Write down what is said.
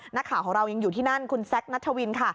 นักข่าวของเรายังอยู่ที่นั่นคุณแซคนัทวินค่ะ